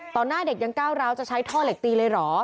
หน้าเด็กยังก้าวร้าวจะใช้ท่อเหล็กตีเลยเหรอ